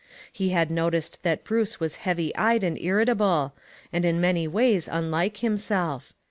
He had noticed that Bruce was heavy eyed and irritable, and in many ways unlike himself.